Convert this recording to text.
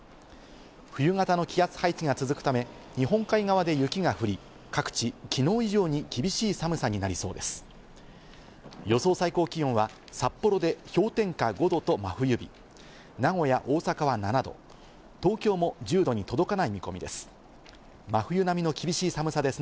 冬型の気圧配置が続くため、日本海側で雪が降り、各地、昨日以上に厳しい寒さになりそうです。